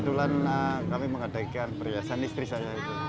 kebetulan kami mengadakan perhiasan istri saya itu